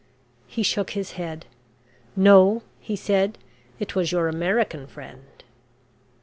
He shook his head. "No," he said. "It was your American friend."